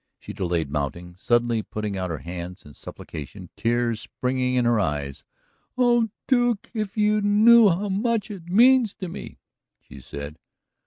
She delayed mounting, suddenly putting out her hands in supplication, tears springing in her eyes. "Oh, Duke! If you knew how much it means to me," she said.